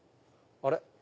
あれ？